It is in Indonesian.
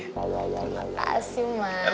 terima kasih mas